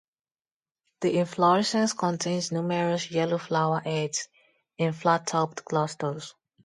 The inflorescence contains numerous yellow flower heads in flat-topped clusters.